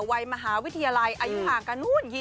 วัยมหาวิทยาลัยอายุห่างกัน๒๐กว่าปี